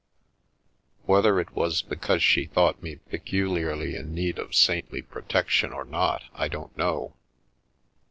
Whether it was because she thought me peculiarly in need of saintly protection or not I don't know.